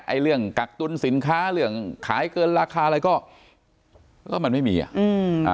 เรื่องกักตุลสินค้าเรื่องขายเกินราคาอะไรก็ก็มันไม่มีอ่ะอืมอ่า